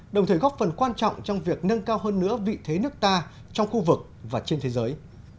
đồng thời góp phần quan trọng trong việc nâng cao hơn nữa vị thế nước ta trong khu vực và trên thế giới